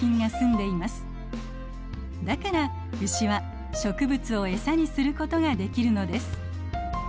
だからウシは植物をエサにすることができるのです。